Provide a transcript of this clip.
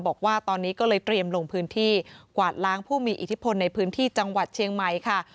บอกว่าตอนนี้ก็เลยเตรียมลงพื้นที่กวาดล้างผู้มีอิทธิพลในพื้นที่จังหวัดเชียงใหม่ค่ะ